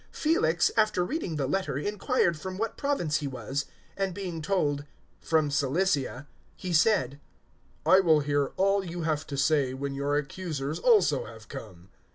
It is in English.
023:034 Felix, after reading the letter, inquired from what province he was; and being told "from Cilicia," 023:035 he said, "I will hear all you have to say, when your accusers also have come."